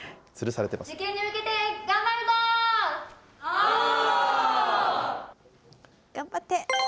頑張って。